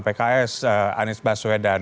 pks anies basudan